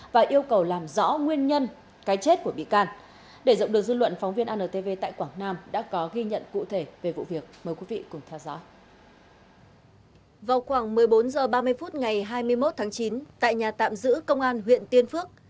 vào khoảng một mươi bốn h ba mươi phút ngày hai mươi một tháng chín tại nhà tạm giữ công an huyện tiên phước